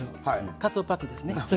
かつおパックですね。